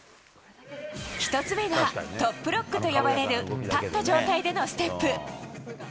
１つ目がトップロックと呼ばれる立った状態でのステップ。